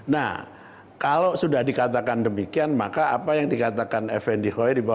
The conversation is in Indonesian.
nah kalau sudah dikatakan demikian maka apa yang dikatakan effendi khoiri berarti itu adalah